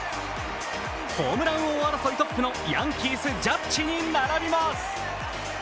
ホームラン王争いトップのヤンキース・ジャッジに並びます。